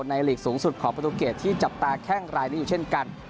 หลีกสูงสุดของประตูเกตที่จับตาแข้งรายนี้อยู่เช่นกัน